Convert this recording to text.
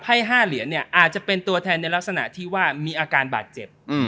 ให้๕เหรียญเนี่ยอาจจะเป็นตัวแทนในลักษณะที่ว่ามีอาการบาดเจ็บ